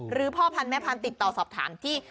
พ่อพันธ์แม่พันธุ์ติดต่อสอบถามที่